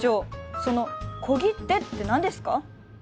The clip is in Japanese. その小切手って何ですか？